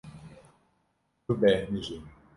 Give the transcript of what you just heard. Tu bêhnijî.